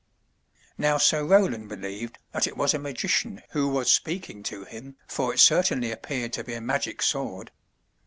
Now Sir Roland believed that it was a magician who was speaking to him, for it certainly appeared to be a magic sword.